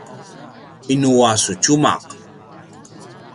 inu a su tjumaq?